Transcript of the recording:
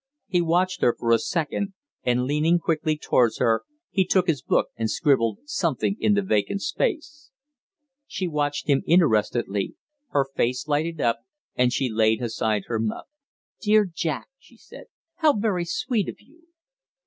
He watched her for a second, and, leaning quickly towards her, he took his book and scribbled something in the vacant space. She watched him interestedly; her face lighted up, and she laid aside her muff. "Dear Jack!" she said. "How very sweet of you!"